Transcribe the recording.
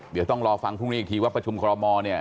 เดี๋ยวต้องรอฟังพึงได้อีกทีว่าประชุมกรมมเนี่ย